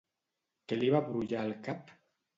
Què li va brollar al cap?